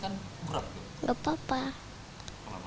kalau apa pengennya